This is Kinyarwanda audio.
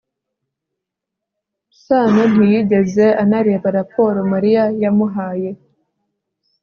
sano ntiyigeze anareba raporo mariya yamuhaye